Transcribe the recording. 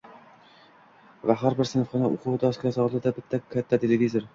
va har bir sinfxona o‘quv doskasi oldida bitta katta televizor.